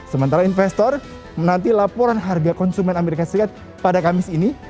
sementara investor menanti laporan harga konsumen amerika serikat pada kamis ini